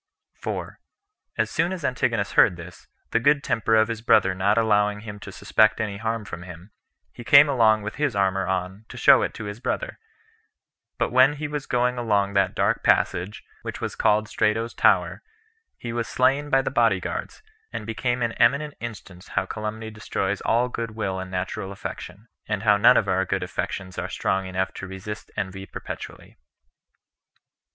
4. As soon as Antigonus heard this, the good temper of his brother not allowing him to suspect any harm from him, he came along with his armor on, to show it to his brother; but when he was going along that dark passage which was called Strato's Tower, he was slain by the body guards, and became an eminent instance how calumny destroys all good will and natural affection, and how none of our good affections are strong enough to resist envy perpetually.